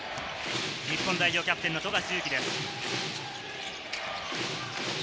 日本代表キャプテンの富樫勇樹です。